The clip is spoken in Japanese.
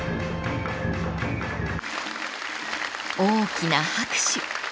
［大きな拍手］